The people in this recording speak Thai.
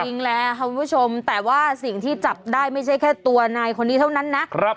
จริงแล้วค่ะคุณผู้ชมแต่ว่าสิ่งที่จับได้ไม่ใช่แค่ตัวนายคนนี้เท่านั้นนะ